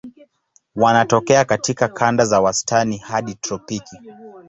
Wanatokea katika kanda za wastani hadi tropiki.